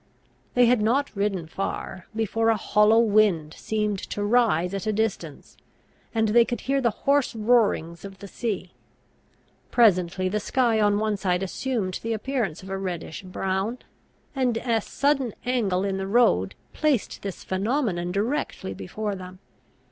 They had not ridden far, before a hollow wind seemed to rise at a distance, and they could hear the hoarse roarings of the sea. Presently the sky on one side assumed the appearance of a reddish brown, and a sudden angle in the road placed this phenomenon directly before them.